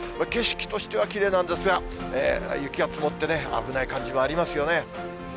景色としてはきれいなんですが、雪が積もってね、危ない感じもありますよね。